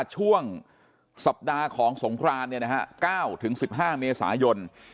ช่วงสัปดาห์ของสงคราน๙๑๕เมษายน